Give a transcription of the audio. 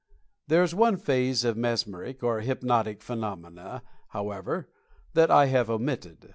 There is one phase of mesmeric, or hypnotic, phe nomena, however, that I have omitted.